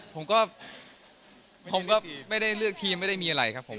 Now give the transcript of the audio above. ผมก็ผมก็ไม่ได้เลือกทีมไม่ได้มีอะไรครับผม